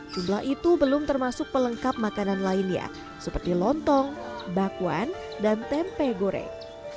jumlah itu belum termasuk pelengkap makanan lainnya seperti lontong bakwan dan tempe goreng